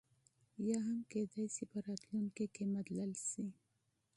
یا هم کېدای شي په راتلونکي کې مدلل شي.